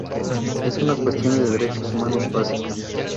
Es una cuestión de derechos humanos básica.